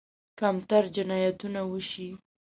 کمتر جنایتونه وشي.